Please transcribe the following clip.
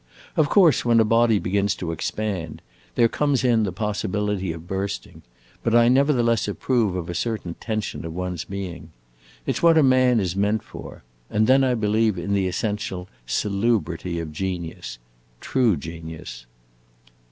"Of course when a body begins to expand, there comes in the possibility of bursting; but I nevertheless approve of a certain tension of one's being. It 's what a man is meant for. And then I believe in the essential salubrity of genius true genius."